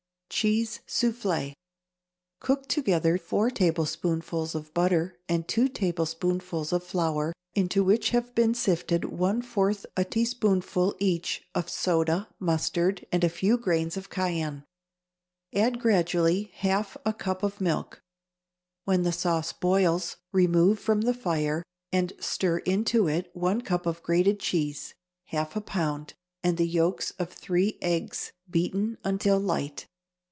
=Cheese Soufflé.= Cook together four tablespoonfuls of butter and two tablespoonfuls of flour, into which have been sifted one fourth a teaspoonful, each, of soda and mustard and a few grains of cayenne. Add gradually half a cup of milk. When the sauce boils, remove from the fire and stir into it one cup of grated cheese (half a pound) and the yolks of three eggs, beaten until light.